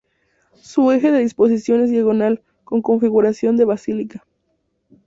Su eje de disposición es diagonal, con configuración de basílica.